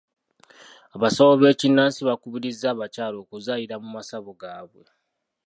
Abasawo b'ekinnansi bakubirizza abakyala okuzaalira mu masabo gaabwe.